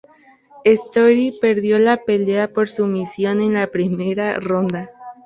Story perdió la pelea por sumisión en la primera ronda.